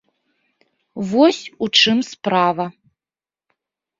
Вось у чым справа.